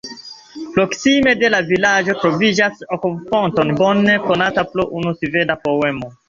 Proksime de la vilaĝo troviĝas akvofonto bone konata pro unu sveda poemo.